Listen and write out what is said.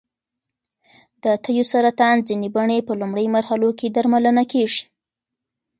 د تیو سرطان ځینې بڼې په لومړیو مرحلو کې درملنه کېږي.